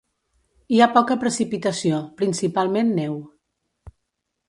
Hi ha poca precipitació, principalment neu.